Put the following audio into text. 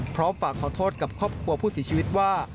พร้อมฝากขอโทษกับครอบครัวผู้เสียชีวิตว่า